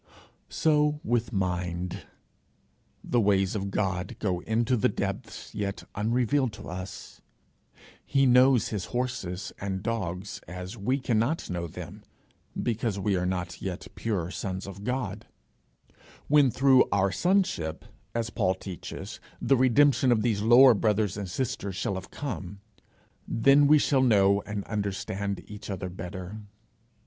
So with mind; the ways of God go into the depths yet unrevealed to us; he knows his horses and dogs as we cannot know them, because we are not yet pure sons of God. When through our sonship, as Paul teaches, the redemption of these lower brothers and sisters shall have come, then we shall understand each other better.